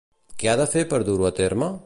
Què ha de fer per dur-lo a terme?